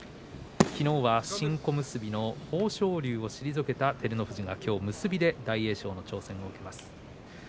きのうは新小結の豊昇龍を退けた照ノ富士が、きょう結びで大栄翔の挑戦を受けます。